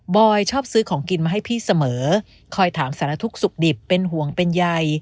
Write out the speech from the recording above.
อยชอบซื้อของกินมาให้พี่เสมอคอยถามสารทุกข์สุขดิบเป็นห่วงเป็นใย